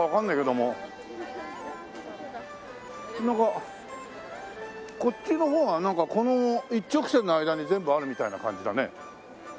なんかこっちの方がなんかこの一直線の間に全部あるみたいな感じだね。